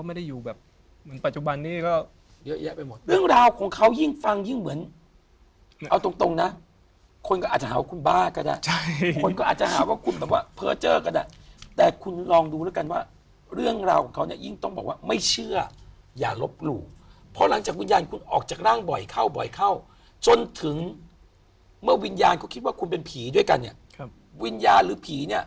มาเป็นรูปร่างของคนปกติคือ